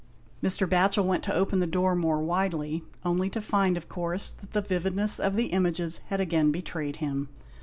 Mr. Batchel went to open the door more widely, only to find, of course, that the vividness of the images had again betrayed him.